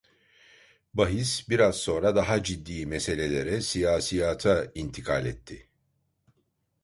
Bahis biraz sonra daha ciddi meselelere, siyasiyata intikal etti.